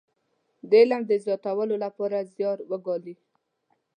د علم د زياتولو لپاره زيار وګالي.